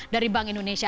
dari bank indonesia